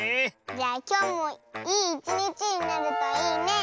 じゃあきょうもいいいちにちになるといいねえ！